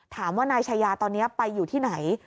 ถามว่านายชายาตอนนี้ไปอยู่ที่ไหน